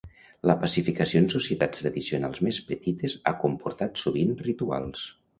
La pacificació en societats tradicionals més petites ha comportat sovint rituals.